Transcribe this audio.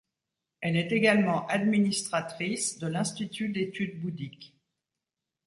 Elle est également administratrice de l'Institut d'études bouddhiques.